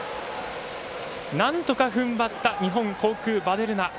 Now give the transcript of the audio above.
なんとか踏ん張った日本航空、ヴァデルナ。